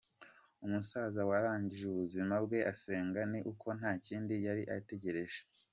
Umusaza warangije ubuzima bwe asenga ni uko nta kindi yari ategereje.